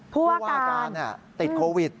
เพราะว่าอาการติดโควิด